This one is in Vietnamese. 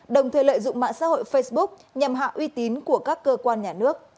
đồng thời lợi dụng mạng xã hội facebook nhằm hạ uy tín của các cơ quan nhà nước